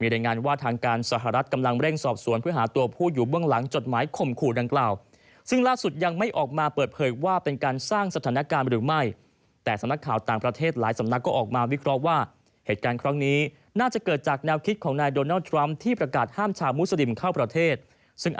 มีบริงานว่าทางการสหรัตน์กำลังเร่งสอบสวนพยาบาลกลองพูดอยู่เบื้องหลังจดหมายขมคุน